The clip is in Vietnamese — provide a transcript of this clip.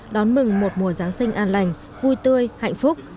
đón mừng một mùa giáng sinh an lành vui tươi hạnh phúc